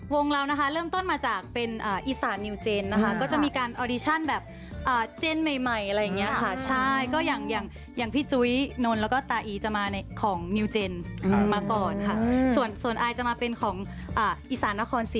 วงเราเริ่มต้นมาจากเป็นอีสานนิวเจนก็จะมีการแบบเจนใหม่อะไรอย่างเงี้ยค่ะค่ะใช่